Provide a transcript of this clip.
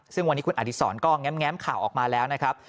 ซึ่งวันนี้คุณอดีศรก็แง้มข่าวออกมาแล้วนะครับ